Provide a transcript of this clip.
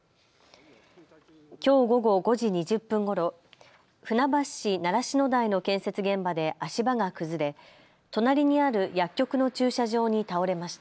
きょう午後５時２０分ごろ、船橋市習志野台の建設現場で足場が崩れ、隣にある薬局の駐車場に倒れました。